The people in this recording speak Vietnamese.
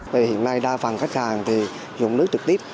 tại hiện nay đa phần khách hàng dùng nước trực tiếp